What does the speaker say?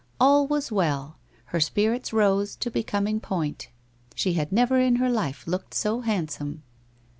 All was well. Her spirits rose to becoming point. She had never in her life looked so handsome.